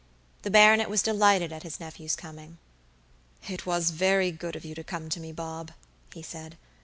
The baronet was delighted at his nephew's coming. "It was very good of you to come to me, Bob," he said.